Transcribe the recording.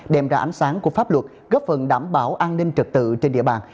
đem ra ánh sáng của pháp luật góp phần đảm bảo an ninh trật tự trên địa bàn